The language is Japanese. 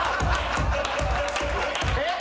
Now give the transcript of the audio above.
えっ？